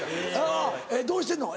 どうしてんの？